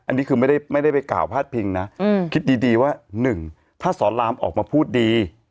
อันนี้คือไม่ได้ไปกล่าวพาดพิงนะคิดดีว่า๑ถ้าสอนรามออกมาพูดดี